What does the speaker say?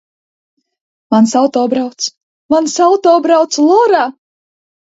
Mans auto brauc. Mans auto brauc, Lora!